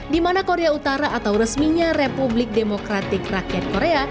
di mana korea utara atau resminya republik demokratik rakyat korea